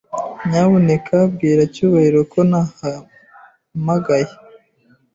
Nyamuneka bwira Cyubahiro ko nahamagaye.